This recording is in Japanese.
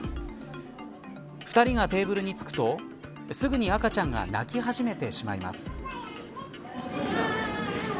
２人がテーブルに着くとすぐに赤ちゃんが泣き始めてしまいます。